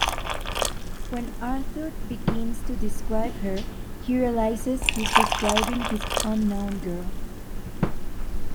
When Arthur begins to describe her, he realizes he is describing his unknown girl.